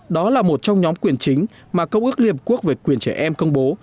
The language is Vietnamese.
đó là một trong nhóm quyền chính mà công ước liên hợp quốc về quyền trẻ em công bố